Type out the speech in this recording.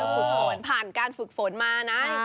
ฝึกฝนผ่านการฝึกฝนมานะ